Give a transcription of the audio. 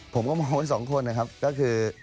ผมก็มองไว้สองคนนะครับก็คือ